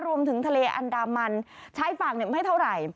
รวมถึงทะเลอันดามันใช้ฝั่งไม่เท่าไหร่